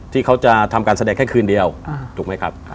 ที่เขาจะทำการแสดงแค่คืนเดียวถูกไหมครับ